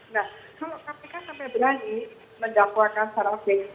nah kalau kak fika sampai berani mendakwakan secara fix